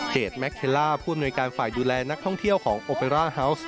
แมคเทลล่าผู้อำนวยการฝ่ายดูแลนักท่องเที่ยวของโอเปร่าฮาวส์